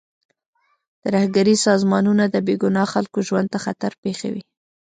ترهګریز سازمانونه د بې ګناه خلکو ژوند ته خطر پېښوي.